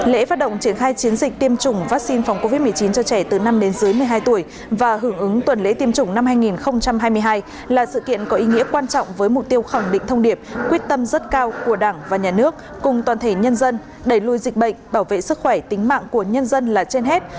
lễ phát động triển khai chiến dịch tiêm chủng vaccine phòng covid một mươi chín cho trẻ từ năm đến dưới một mươi hai tuổi và hưởng ứng tuần lễ tiêm chủng năm hai nghìn hai mươi hai là sự kiện có ý nghĩa quan trọng với mục tiêu khẳng định thông điệp quyết tâm rất cao của đảng và nhà nước cùng toàn thể nhân dân đẩy lùi dịch bệnh bảo vệ sức khỏe tính mạng của nhân dân là trên hết